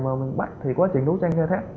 mà mình bắt thì quá trình đấu tranh ra thép